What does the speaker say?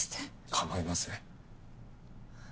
構いません。